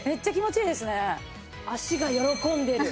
足が喜んでる。